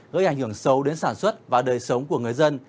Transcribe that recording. gây ảnh hưởng sâu đến sản xuất và đời sống của người dân